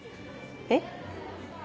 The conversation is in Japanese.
えっ？